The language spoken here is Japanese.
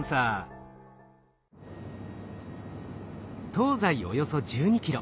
東西およそ１２キロ